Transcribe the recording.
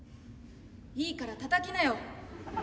いいからたたきなよ。